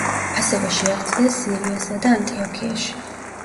ასევე შეაღწიეს სირიასა და ანტიოქიაში.